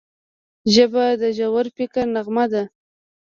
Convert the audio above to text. ژبه د ژور فکر نغمه ده